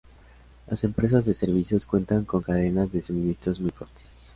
Las empresas de servicios cuentan con cadenas de suministros muy cortas.